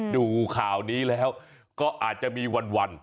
ดูข่าวนี้แล้วก็อาจจะมีวัน